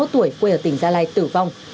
hai mươi một tuổi quê ở tỉnh gia lai tử vong